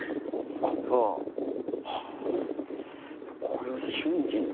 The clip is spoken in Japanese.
これを瞬時に。